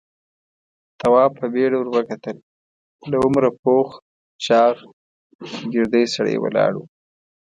تواب په بيړه ور وکتل. له عمره پوخ چاغ، ګردی سړی ولاړ و.